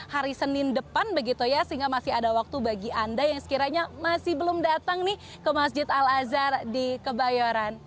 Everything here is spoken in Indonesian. hari senin depan begitu ya sehingga masih ada waktu bagi anda yang sekiranya masih belum datang nih ke masjid al azhar di kebayoran